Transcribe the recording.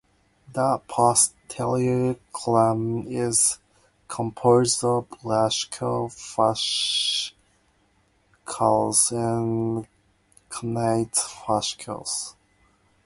The posterior column is composed of gracile fasciculus and cuneate fasciculus.